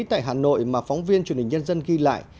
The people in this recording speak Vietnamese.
tại hà nội mà phóng viên truyền hình nhân dân ghi lại